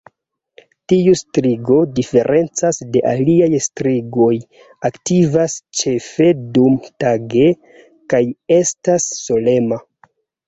Tiu strigo, diference de aliaj strigoj, aktivas ĉefe dumtage kaj estas solema.